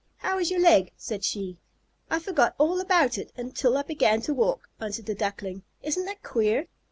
"How is your leg?" said she. "I forgot all about it until I began to walk," answered the Duckling. "Isn't that queer?"